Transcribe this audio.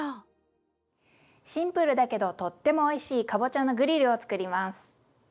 シンプルだけどとってもおいしいかぼちゃのグリルを作ります。